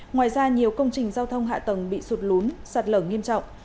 ngoài ra nhiều công trình giao thông hạ tầng bị sụt lún sạt lở nghiêm trọng